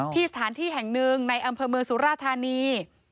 สถานที่แห่งหนึ่งในอำเภอเมืองสุราธานี